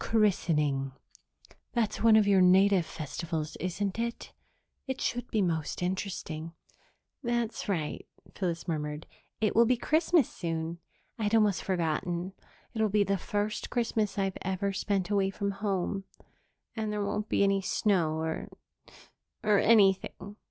"Christening that's one of your native festivals, isn't it? It should be most interesting." "That's right," Phyllis murmured. "It will be Christmas soon. I'd almost forgotten. It'll be the first Christmas I've ever spent away from home. And there won't be any snow or or anything."